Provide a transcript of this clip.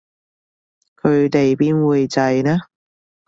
佢哋邊會䎺呢